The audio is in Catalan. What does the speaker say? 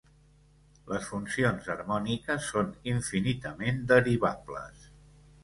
Les funcions harmòniques són infinitament derivables.